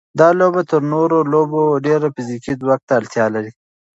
دا لوبه تر نورو لوبو ډېر فزیکي ځواک ته اړتیا لري.